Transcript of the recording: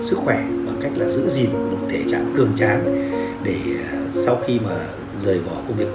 sức khỏe bằng cách là giữ gìn một thể trạng cường trang để sau khi mà rời bỏ công việc